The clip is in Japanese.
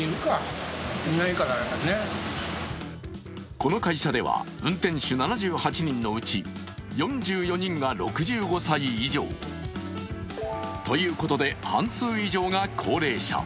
この会社では、運転手７８人のうち４４人が６５歳以上。ということで半数以上が高齢者。